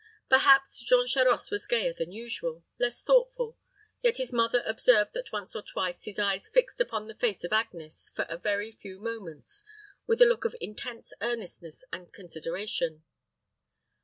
Perhaps Jean Charost was gayer than usual, less thoughtful, yet his mother observed that once or twice his eyes fixed upon the face of Agnes for a very few moments with a look of intense earnestness and consideration.